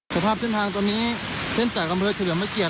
สภาพเส้นทางตอนนี้เส้นจากอำเภอเฉลือมเมฆียด